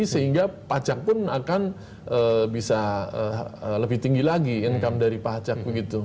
sehingga pajak pun akan bisa lebih tinggi lagi income dari pajak begitu